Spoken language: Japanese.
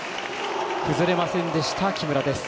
崩れませんでした、木村です。